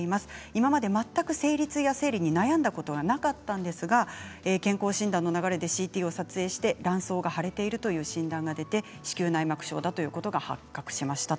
今まで全く生理痛や生理に悩んだことはなかったんですが健康診断の流れでＣＴを撮影して卵巣が腫れているという診断が出て子宮内膜症だということが発覚しました。